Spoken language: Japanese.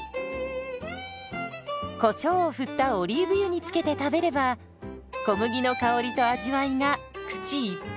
こしょうを振ったオリーブ油につけて食べれば小麦の香りと味わいが口いっぱい！